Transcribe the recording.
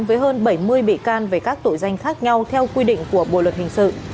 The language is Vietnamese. với hơn bảy mươi bị can về các tội danh khác nhau theo quy định của bộ luật hình sự